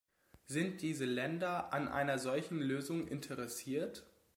Sind diese Länder an einer solchen Lösung interessiert?